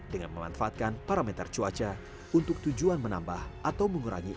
dengan memanfaatkan parameter cuaca untuk tujuan menambah atau mengurangi